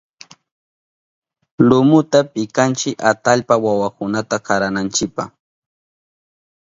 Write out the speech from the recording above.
Lumuta pikanchi atallpa wawakunata karananchipa.